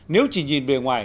nếu chỉ nhìn bề ngoài